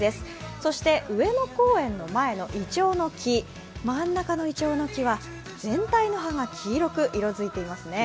そして上野公園の前のいちょうの木、真ん中のいちょうの木は全体の葉が黄色く色づいていますね。